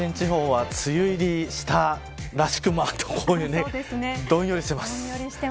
関東甲信地方は梅雨入りしたらしくどんよりしています。